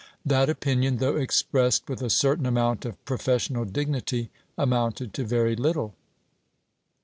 That opinion, though expressed with a certain amount of professional dignity, amounted to very little.